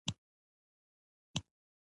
زما نوم رحيم الله راحل دی.